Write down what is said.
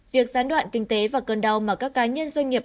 việc gián đoạn kinh tế và cơn đau mà các cá nhân doanh nghiệp